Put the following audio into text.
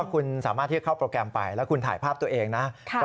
คุณสามารถที่จะเข้าโปรแกรมไปแล้วคุณถ่ายภาพตัวเองนะ